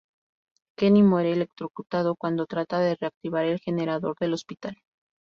Kenny muere electrocutado cuando trata de reactivar el generador del hospital.